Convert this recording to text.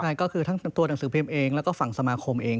ใช่ก็คือทั้งตัวหนังสือพิมพ์เองแล้วก็ฝั่งสมาคมเอง